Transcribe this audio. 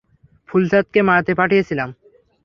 ফুলচাঁদকে মারতে পাঠিয়েছিলাম।